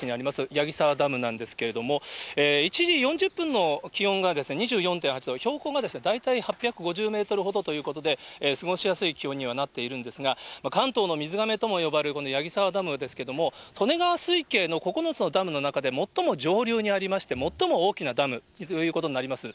矢木沢ダムなんですけれども、１時４０分の気温が２４．８度、標高が大体８５０メートルほどということで、過ごしやすい気温にはなっているんですが、関東の水がめとも呼ばれるこの矢木沢ダムですけれども、利根川水系の９つのダムの中で最も上流にありまして、最も大きなダムということになります。